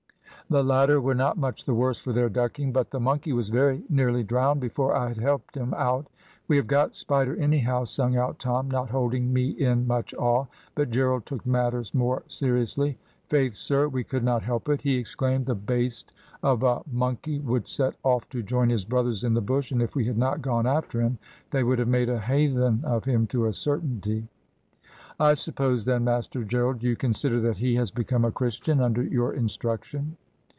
The latter were not much the worse for their ducking, but the monkey was very nearly drowned before I had helped him out. `We have got Spider anyhow,' sung out Tom, not holding me in much awe, but Gerald took matters more seriously. "`Faith, sir. We could not help it,' he exclaimed, `the baste of a monkey would set off to join his brothers in the bush, and if we had not gone after him they would have made a hathen of him to a certainty.' "`I suppose, then, Master Gerald, you consider that he has become a Christian under your instruction?'